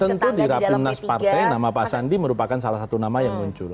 tentu di rapimnas partai nama pak sandi merupakan salah satu nama yang muncul